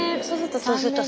そうすると３年。